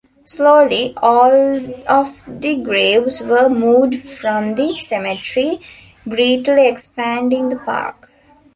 Slowly, all of the graves were moved from the cemetery, greatly expanding the park.